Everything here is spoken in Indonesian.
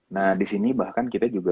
nah disini bahkan kita juga